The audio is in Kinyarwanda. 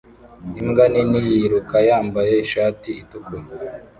Imbwa nini yiruka yambaye ishati itukura